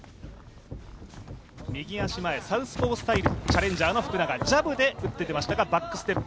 右足前、サウスポースタイル、チャレンジャーの福永、ジャブで打ってきましたがバックステップ。